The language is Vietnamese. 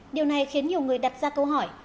điều này khiến nhiều người đặt ra câu hỏi